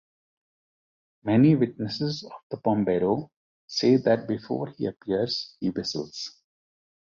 Many witnesses of the Pombero say that before he appears he whistles.